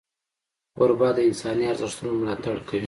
کوربه د انساني ارزښتونو ملاتړ کوي.